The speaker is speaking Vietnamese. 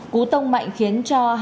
cú tông mạnh khiến cho hai